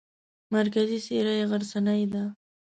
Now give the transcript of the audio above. مرکزي څېره یې غرڅنۍ ده.